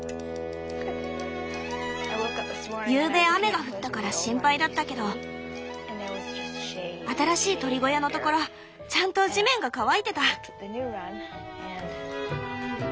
ゆうべ雨が降ったから心配だったけど新しい鶏小屋のところちゃんと地面が乾いてた。